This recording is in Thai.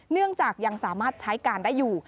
เนื่องจากยังสามารถใช้การได้อยู่